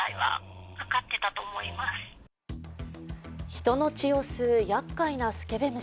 人の血を吸うやっかいなスケベ虫。